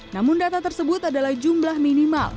namun data tersebut adalah jumlah minimal